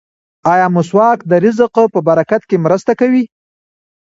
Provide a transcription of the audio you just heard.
ایا مسواک د رزق په برکت کې مرسته کوي؟